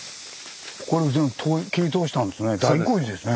これも全部切り通したんですね。